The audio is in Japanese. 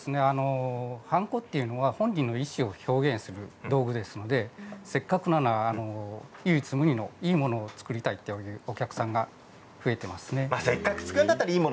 はんこというのは本人の意思を表現する道具ですのでせっかくなら唯一無二のいいものを作りたいというお客さんが増えていますね。